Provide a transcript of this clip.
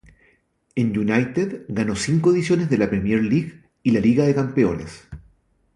En United, ganó cinco ediciones de la Premier League y la Liga de campeones.